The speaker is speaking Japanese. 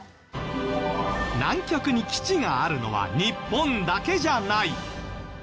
南極に基地があるのは日本だけじゃない。